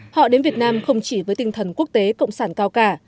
họ đến việt nam không chỉ với tinh thần quốc tế cộng sản cao cả